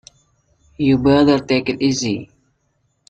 You'd better take it easy.